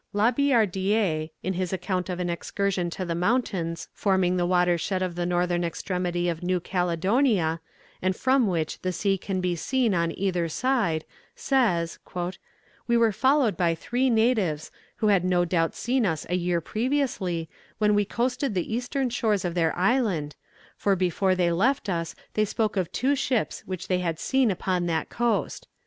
La Billardière, in his account of an excursion to the mountains forming the water shed of the northern extremity of New Caledonia, and from which the sea can be seen on either side, says, "We were followed by three natives, who had no doubt seen us a year previously, when we coasted the eastern shores of their island, for before they left us they spoke of two ships which they had seen upon that coast."